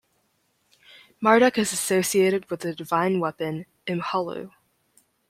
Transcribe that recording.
Marduk is associated with the divine weapon Imhullu.